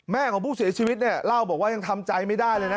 ของผู้เสียชีวิตเนี่ยเล่าบอกว่ายังทำใจไม่ได้เลยนะ